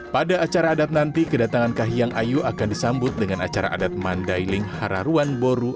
pada acara adat nanti kedatangan kahiyang ayu akan disambut dengan acara adat mandailing hararuan boru